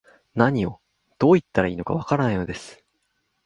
何を、どう言ったらいいのか、わからないのです